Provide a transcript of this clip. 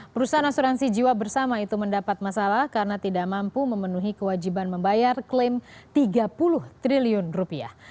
perusahaan asuransi jiwa bersama itu mendapat masalah karena tidak mampu memenuhi kewajiban membayar klaim tiga puluh triliun rupiah